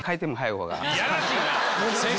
やらしいな！